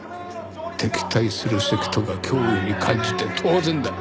敵対するセクトが脅威に感じて当然だ。